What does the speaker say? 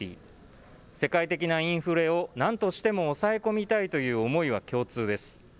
世界的なインフレをなんとしても抑え込みたいという思いは共通です。